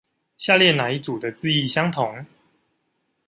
下列那一組的字義相同？